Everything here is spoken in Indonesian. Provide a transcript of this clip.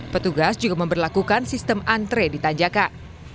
petugas juga memperlakukan sistem antre di tanjakan